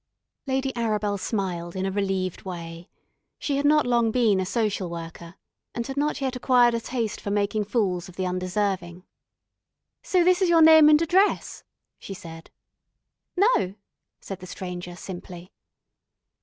Lady Arabel smiled in a relieved way. She had not long been a social worker, and had not yet acquired a taste for making fools of the undeserving. "So this is your name and address," she said. "No," said the Stranger simply.